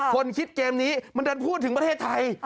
คนคิดเกมนี้มันดันพูดถึงประเทศไทย